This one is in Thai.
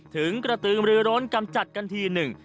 ถึงกระตือมรือร้นกำจัดกันทีหนึ่ง